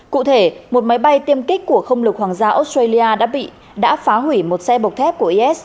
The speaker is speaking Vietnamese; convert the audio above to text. cụ thể một máy bay tiêm kích của không lục hoàng gia australia đã phá hủy một xe bọc thép của is